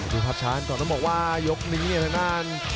ดูภาพชาติก่อนต้องบอกว่ายกนี้ชะด้าน